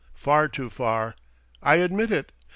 Far too far! I admit it.